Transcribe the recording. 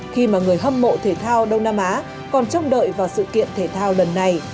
khi mà người hâm mộ thể thao đông nam á còn trông đợi vào sự kiện thể thao lần này